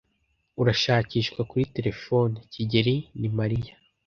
Urashakishwa kuri terefone, kigeli. Ni Mariya.